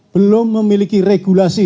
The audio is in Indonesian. belum memiliki regulasi